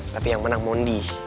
tapi yang menang mondi